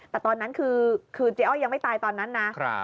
แต่ตอนนั้นคือเจ๊อ้อยยังไม่ตายตอนนั้นนะ